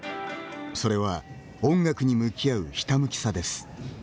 それは、音楽に向き合うひたむきさです。